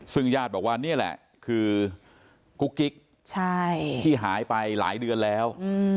ซึ่งญาติบอกว่านี่แหละคือกุ๊กกิ๊กที่หายไปหลายเดือนแล้ว